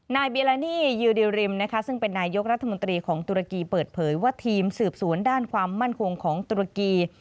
เบียลานี่ยูดิริมนะคะซึ่งเป็นนายยกรัฐมนตรีของตุรกีเปิดเผยว่าทีมสืบสวนด้านความมั่นคงของตุรกี